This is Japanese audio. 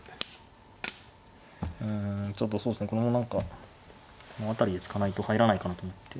うんちょっとそうですねこれも何かこの辺りで突かないと入らないかなと思って。